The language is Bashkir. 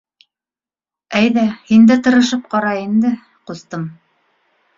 Әйҙә, һин дә тырышып ҡара инде, ҡустым.